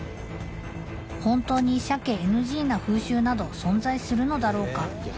本当に鮭ＮＧな風習など存在するのだろうか